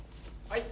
はい。